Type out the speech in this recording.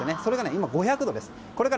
今５００度です。